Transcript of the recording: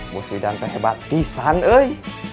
musyidante hebatisan eh